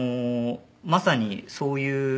まさにそういう。